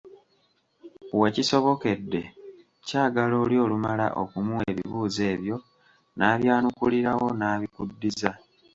We kisobokedde, kyagala oli olumala okumuwa ebibuuzo ebyo, n’abyanukulirawo n’abikuddiza.